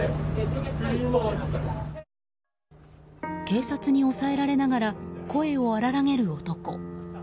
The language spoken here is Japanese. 警察に押さえられながら声を荒らげる男。